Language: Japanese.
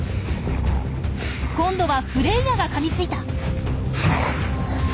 今度はフレイヤがかみついた！